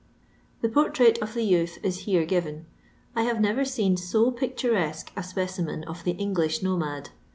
The portrait of the youth is here given. I have never seen so picturesque a specimen of the Knglish nomade.